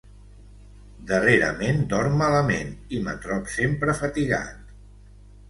Darrerament dorm malament i me trob sempre fatigat.